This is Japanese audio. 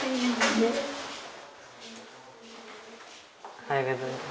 おはようございます。